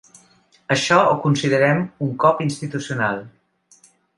Això ho considerem un cop institucional.